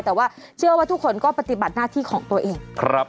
แต่ว่าเชื่อว่าทุกคนก็ปฏิบัติหน้าที่ของตัวเอง